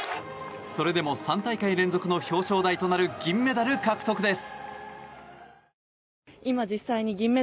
それでも３大会連続の表彰台となる銀メダル獲得です。